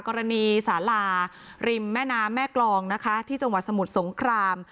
กรณีสาลาริมแม่น้ำแม่กรองนะคะที่จังหวัดสมุทรสงคราม